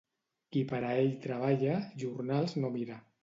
Qui per a ell treballa, jornals no mira.